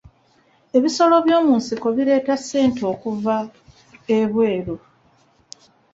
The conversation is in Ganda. Ebisolo by'omu nsiko bireeta ssente okuva ebweru.